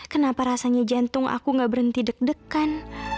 kenapa rasanya jantung aku gak berhenti deg degan